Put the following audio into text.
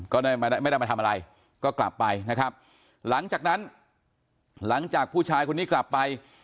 ก็ได้ไม่ได้มาทำอะไรก็กลับไปนะครับหลังจากนั้นหลังจากผู้ชายคนนี้กลับไป